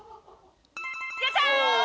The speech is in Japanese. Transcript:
やったー！